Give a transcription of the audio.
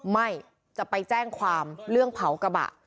ไม่จะไปแจ้งความเรื่องเผากระบะ